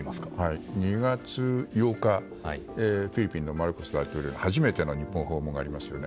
２月８日、フィリピンのマルコス大統領の初めての日本訪問がありますよね。